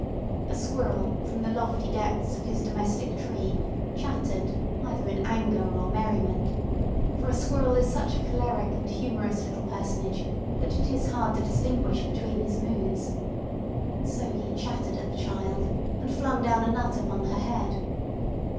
A squirrel, from the lofty depths of his domestic tree, chattered either in anger or merriment—for the squirrel is such a choleric and humorous little personage, that it is hard to distinguish between his moods—so he chattered at the child, and flung down a nut upon her head.